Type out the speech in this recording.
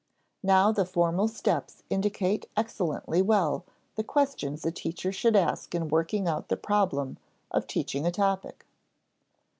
Now the formal steps indicate excellently well the questions a teacher should ask in working out the problem of teaching a topic.